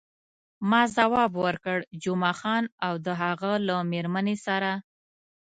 ما ځواب ورکړ، جمعه خان او د هغه له میرمنې سره.